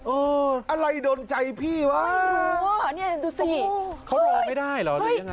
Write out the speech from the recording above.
เอออะไรโดนใจพี่ว่ะไม่รู้ว่ะเนี้ยดูสิเขารอไม่ได้หรอหรือยังไง